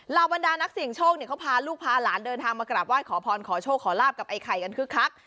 บรรดานักเสี่ยงโชคเขาพาลูกพาหลานเดินทางมากราบไห้ขอพรขอโชคขอลาบกับไอ้ไข่กันคึกคัก